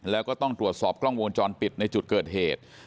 แล้วก็ต้องตรวจสอบกล้องวงจรปิดในจุดเกิดเหตุ